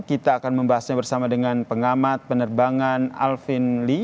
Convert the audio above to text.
kita akan membahasnya bersama dengan pengamat penerbangan alvin lee